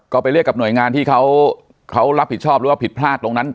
ก็ไปเรียกกับหน่วยงานที่เขารับผิดชอบหรือว่าผิดพลาดตรงนั้น